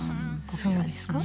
そうですね。